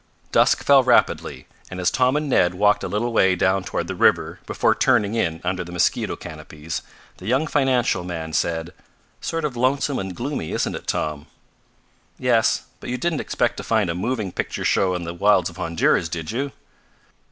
Dusk fell rapidly, and as Tom and Ned walked a little way down toward the river before turning in under the mosquito canopies, the young financial man said: "Sort of lonesome and gloomy, isn't it, Tom?" "Yes. But you didn't expect to find a moving picture show in the wilds of Honduras, did you?"